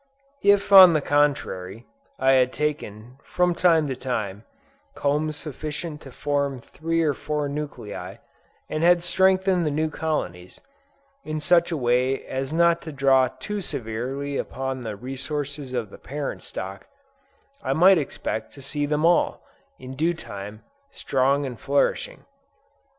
If, on the contrary, I had taken, from time to time, combs sufficient to form three or four nuclei, and had strengthened the new colonies, in such a way as not to draw too severely upon the resources of the parent stock, I might expect to see them all, in due time, strong and flourishing.